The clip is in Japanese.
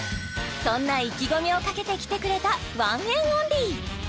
そんな意気込みをかけてきてくれたＯＮＥＮ’ＯＮＬＹ